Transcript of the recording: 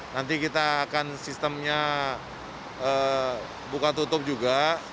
nanti kita akan sistemnya buka tutup juga